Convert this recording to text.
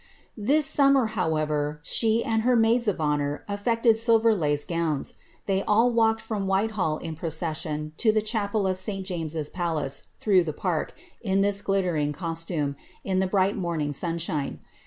This summer, however, she and her maids of honour aflected silver hee ^owns. They all walked from Whitehall in procession to the clia pel of St Jameses palace, through the park, in this flittering costume, la the bright morning sunshine.